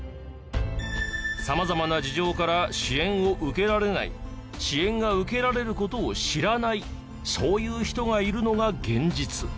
様々な事情から支援を受けられない支援が受けられる事を知らないそういう人がいるのが現実。